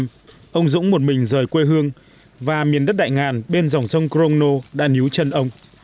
năm hai nghìn năm ông dũng một mình rời quê hương và miền đất đại ngàn bên dòng sông cromno đã níu chân ông